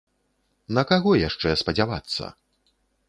На каго яшчэ спадзявацца?